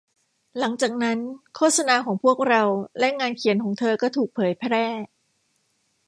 หลังจากนั้น โฆษณาของพวกเราและงานเขียนของเธอก็ถูกแผยแพร่